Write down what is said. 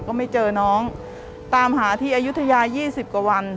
ก็ไม่เจอน้องตามหาที่อายุทยา๒๐กว่าวัน